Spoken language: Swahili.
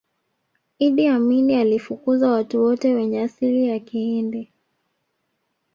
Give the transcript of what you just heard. iddi amini alifukuza watu wote wenye asili ya kihindi